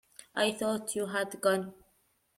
I thought you had gone.